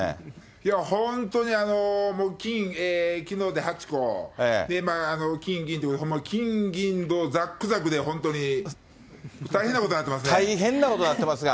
いや本当に、金、きのうで８個、金、銀って、金銀銅、ざっくざくで本当に、大変なことになってますね。